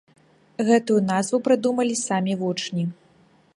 Гэтую назву прыдумалі самі вучні.